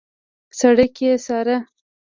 سړک يې څاره.